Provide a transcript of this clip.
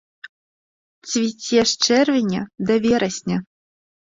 Цвіце з чэрвеня да верасня.